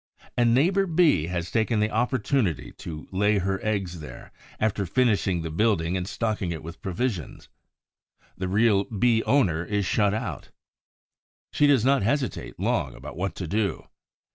A neighbor Bee has taken the opportunity to lay her eggs there, after finishing the building and stocking it with provisions. The real Bee owner is shut out. She does not hesitate long about what to do.